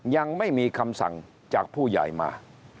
ยังไม่มีคำสั่งจากผู้ใหญ่มา